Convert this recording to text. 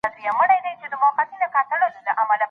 ټولنیز نظام باید د ديني ارزښتونو پر بنسټ جوړ سي.